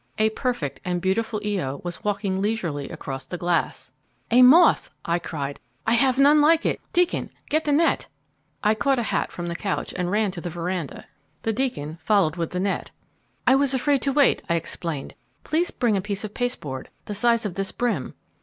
A perfect and beautiful Io was walking leisurely across the glass. "A moth!" I cried. "I have none like it! Deacon, get the net!" I caught a hat from the couch, and ran to the veranda. The Deacon followed with the net. "I was afraid to wait," I explained. "Please bring a piece of pasteboard, the size of this brim."